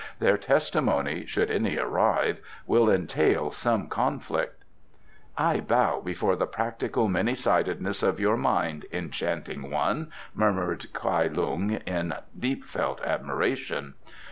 Their testimony, should any arrive, will entail some conflict." "I bow before the practical many sidedness of your mind, enchanting one," murmured Kai Lung, in deep felt admiration.